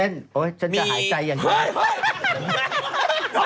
นี้โป๊ะแรก